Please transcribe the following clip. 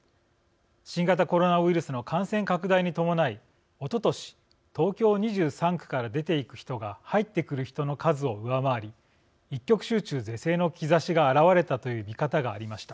新型コロナウイルスの感染拡大に伴い、おととし東京２３区から出ていく人が入ってくる人の数を上回り一極集中是正の兆しが現れたという見方がありました。